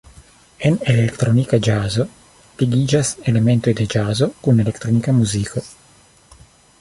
En elektronika ĵazo ligiĝas elementoj de ĵazo kun elektronika muziko.